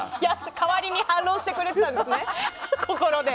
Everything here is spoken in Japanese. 代わりに反論してくれてたんですね、心で。